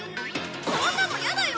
そんなのやだよ！